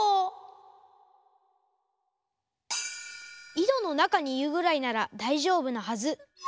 いどのなかにいうぐらいならだいじょうぶなはず。